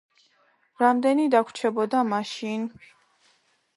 რამდენი დაგვრჩებოდა მაშინ?